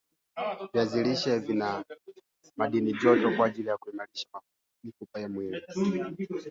Ijumaa wamezindua ramani iliyopanuliwa ya Jumuiya ya Afrika Mashariki